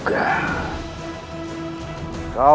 tepaskan nyi iroh